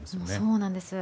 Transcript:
そうなんです。